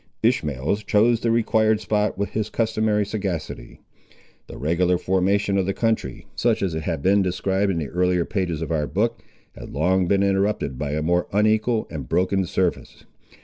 Ishmael chose the required spot with his customary sagacity. The regular formation of the country, such as it has been described in the earlier pages of our book, had long been interrupted by a more unequal and broken surface.